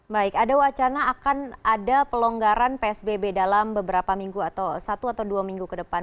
baik ada wacana akan ada pelonggaran psbb dalam beberapa minggu atau satu atau dua minggu ke depan